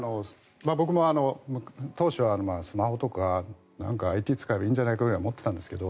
僕も当初はスマホとかＩＴ使えばいいんじゃないかぐらいに思っていたんですけど